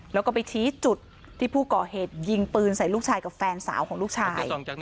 แล้วก็ไปชี้จุดที่ผู้ก่อเหตุยิงปืนใส่ลูกชายกับแฟนสาวของลูกชาย